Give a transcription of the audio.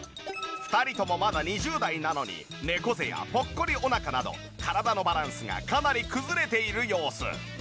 ２人ともまだ２０代なのに猫背やぽっこりお腹など体のバランスがかなり崩れている様子。